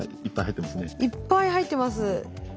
いっぱい入ってます。